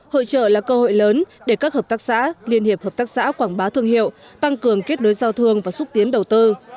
hội trợ là cơ hội lớn để các hợp tác xã liên hiệp hợp tác xã quảng bá thương hiệu tăng cường kết nối giao thương và xúc tiến đầu tư